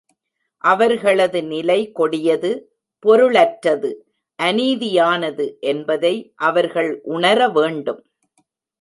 அவர்களது நிலை கொடியது, பொருளற்றது, அநீதியானது என்பதை அவர்கள் உணர வேண்டும்.